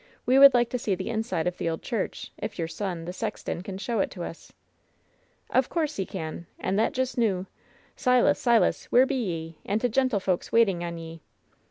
We would like to see the in side of the old church, if your son, the sexton, can show it to us." "Of coorse he can, and thet just noo. Silas, Silas, where be ye, and t' gentlefolks waiting on ye